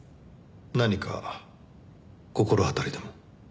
何か心当たりでも？